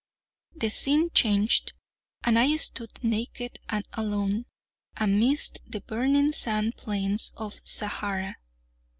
The scene changed; and I stood, naked and alone, amidst the burning sand plains of Sahara.